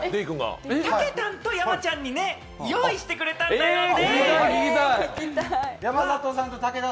たけたんと山ちゃんに用意してくれたんだよね？